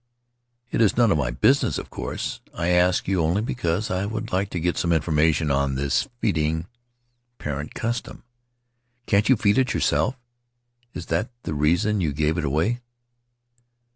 It is none of my busi ness, of course. I ask you only because I would like to get some information on this feeding parent custom. Can't you feed it yourself? Is that the reason you gave it away?"